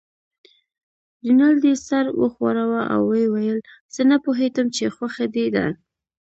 رینالډي سر و ښوراوه او ویې ویل: زه نه پوهېدم چې خوښه دې ده.